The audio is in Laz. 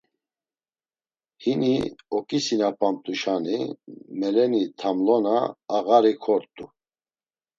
Hini oǩisinapamt̆anuşani meleni tamlona a ğari kort̆u.